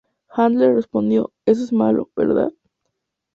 Handler respondió: "¿Eso es malo, verdad?